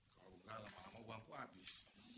kalau enggak lama lama bangku habis